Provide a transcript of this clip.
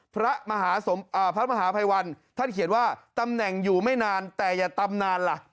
พระมหาสมพระมหาภัยวันท่านเขียนว่าตำแหน่งอยู่ไม่นานแต่อย่าตำนานล่ะ